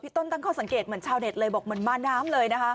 ต้นตั้งข้อสังเกตเหมือนชาวเน็ตเลยบอกเหมือนมาน้ำเลยนะคะ